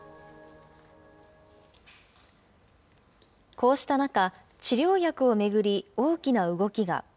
こうした中、治療薬を巡り大きな動きが。